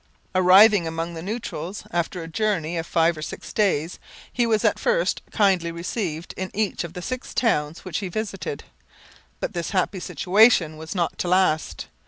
Arriving among the Neutrals, after a journey of five or six days, he was at first kindly received in each of the six towns which he visited. But this happy situation was not to last.